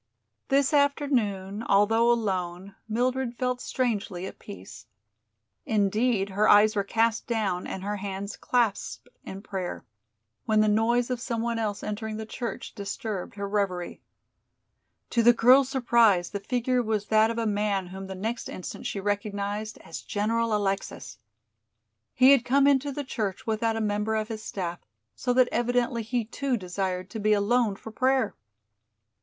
This afternoon, although alone, Mildred felt strangely at peace. Indeed, her eyes were cast down and her hands clasped in prayer, when the noise of some one else entering the church disturbed her reverie. To the girl's surprise the figure was that of a man whom the next instant she recognized as General Alexis. He had come into the church without a member of his staff, so that evidently he too desired to be alone for prayer.